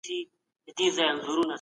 ډاکټر وویل چي د ناروغۍ علت یې وموند.